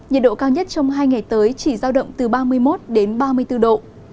nhiệt độ cao nhất trong hai ngày tới chỉ giao động từ ba mươi một đến ba mươi bốn độ